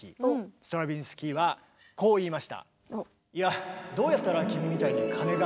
ストラヴィンスキーはこう言いました。